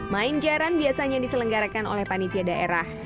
main jaran biasanya diselenggarakan oleh panitia daerah